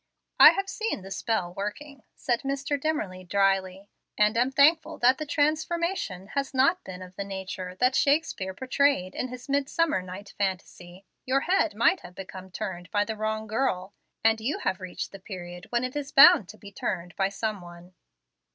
"I have seen the spell working," said Mr. Dimmerly, dryly, "and am thankful that the transformation has not been of the nature that Shakespeare portrayed in his Midsummer Night Fantasy. Your head might have become turned by the wrong girl, and you have reached the period when it is bound to be turned by some one."